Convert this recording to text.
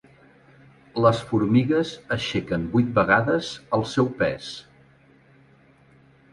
Les formigues aixequen vuit vegades el seu pes.